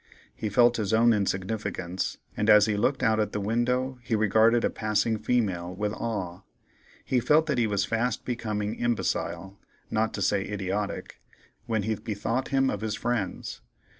He felt his own insignificance, and as he looked out at the window, he regarded a passing female with awe. He felt that he was fast becoming imbecile, not to say idiotic, when he bethought him of his friends.